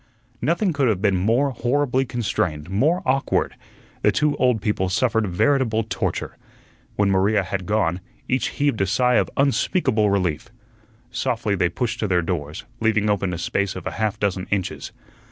Nothing could have been more horribly constrained, more awkward. The two old people suffered veritable torture. When Maria had gone, each heaved a sigh of unspeakable relief. Softly they pushed to their doors, leaving open a space of half a dozen inches.